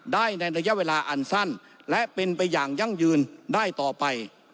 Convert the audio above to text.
ได้ในระยะเวลาอันสั้นและเป็นไปอย่างยั่งยืนได้ต่อไป